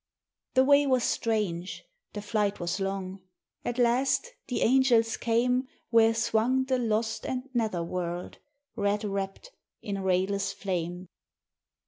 The way was strange, the flight was long; at last the angels came Where swung the lost and nether world, red wrapped in rayless flame.